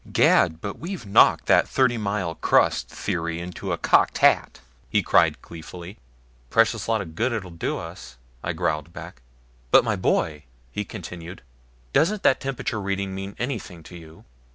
"Gad, but we've knocked that thirty mile crust theory into a cocked hat!" he cried gleefully. "Precious lot of good it will do us," I growled back. "But my boy," he continued, "doesn't that temperature reading mean anything to you?